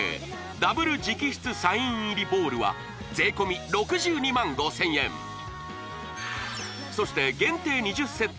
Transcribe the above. ダブル直筆サイン入りボールは税込６２万５０００円そして限定２０セット